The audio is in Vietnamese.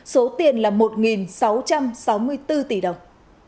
số tiền là một sáu trăm sáu mươi bốn tỷ đồng